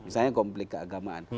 misalnya komplik keagamaan